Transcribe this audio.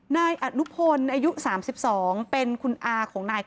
นายอนุพลอายุ๓๒เป็นคุณอาของนาย